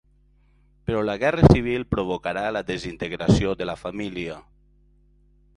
Però la Guerra Civil provocarà la desintegració de la família.